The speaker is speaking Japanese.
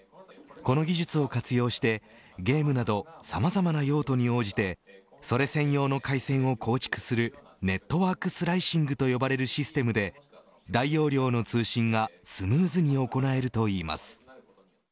この技術を活用してゲームなどさまざまな用途に応じてそれ専用の回線を構築するネットワークスライシングと呼ばれるシステムで大容量の通信がスムーズに行えるということです。